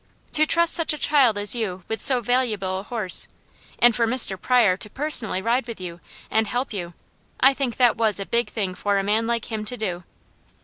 To trust such a child as you with so valuable a horse, and for Mr. Pryor to personally ride with you and help you, I think that was a big thing for a man like him to do."